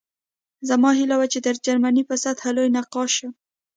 زما هیله وه چې د جرمني په سطحه لوی نقاش شم